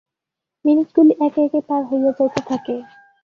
মিনিটগুলি একে একে পার হইয়া যাইতে থাকে।